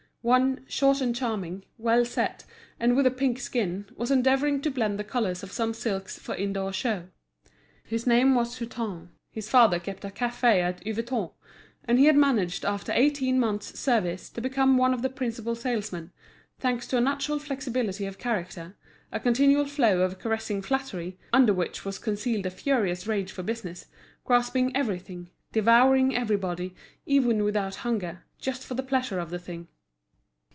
One, short and charming, well set, and with a pink skin, was endeavouring to blend the colours of some silks for indoor show. His name was Hutin, his father kept a café at Yvetot, and he had managed after eighteen months' service to become one of the principal salesmen, thanks to a natural flexibility of character, a continual flow of caressing flattery, under which was concealed a furious rage for business, grasping everything, devouring everybody, even without hunger, just for the pleasure of the thing.